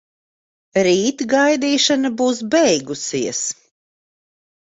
Rīt gaidīšana būs beigusies.